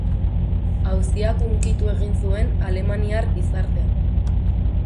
Auziak hunkitu egin zuen alemaniar gizartea.